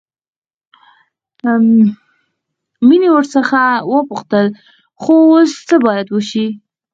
مينې ورڅخه وپوښتل خو اوس څه بايد وشي.